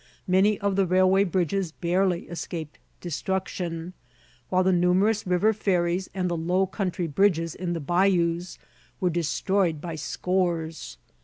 Many of the railway bridges barely escaped destruction, while the numerous river ferries and the low country bridges in the bayous were destroyed by scores.